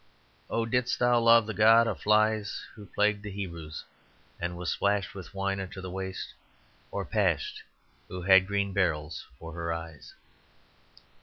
"Or didst thou love the God of Flies who plagued the Hebrews and was splashed With wine unto the waist, or Pasht who had green beryls for her eyes?"